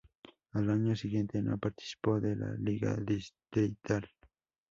Al año siguiente no participó de la liga distrital.